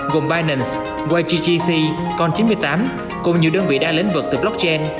gồm binance ygtc con chín mươi tám cùng nhiều đơn vị đa lĩnh vực từ blockchain